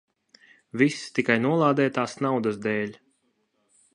Viss tikai nolādētās naudas dēļ.